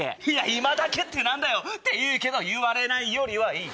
「今だけ」って何だよ！っていうけど言われないよりはいい。